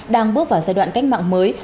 đang bước vào giai đoạn cách mạng mới